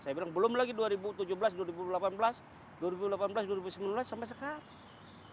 saya bilang belum lagi dua ribu tujuh belas dua ribu delapan belas dua ribu delapan belas dua ribu sembilan belas sampai sekarang